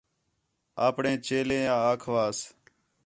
آپݨے چیلیں آکھیواس